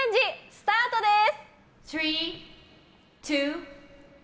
スタートです！